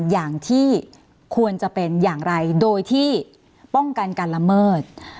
อย่างไรโดยที่ป้องกันการละเมิด